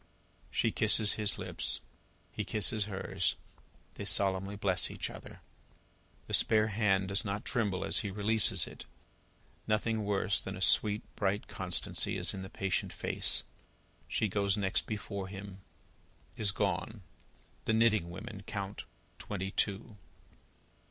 She kisses his lips; he kisses hers; they solemnly bless each other. The spare hand does not tremble as he releases it; nothing worse than a sweet, bright constancy is in the patient face. She goes next before him is gone; the knitting women count Twenty Two.